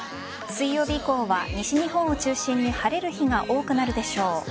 水曜日以降は西日本を中心に晴れる日が多くなるでしょう。